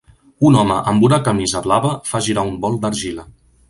Un home amb una camisa blava fa girar un bol d'argila.